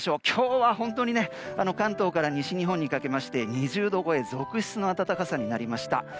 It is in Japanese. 今日は本当に関東から西日本にかけまして２０度超え続出の暖かさになりました。